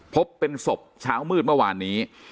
พบเป็นศพเช้ามืดเมื่อวานนี้